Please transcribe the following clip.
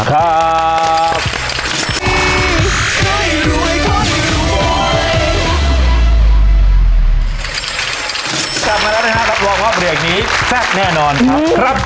พี่โน่นุ่มนี่เรียกว่าตัวพ่อมากจริงแหละครับ